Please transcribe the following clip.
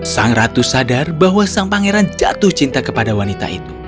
sang ratu sadar bahwa sang pangeran jatuh cinta kepada wanita itu